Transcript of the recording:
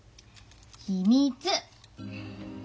秘密！